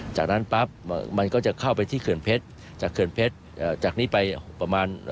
จากนั้นปรับมันก็จะเข้าไปที่เขื่อนเพชร